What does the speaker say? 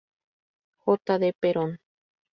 J. D. Perón.